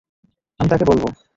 আমি তাকে বলবো।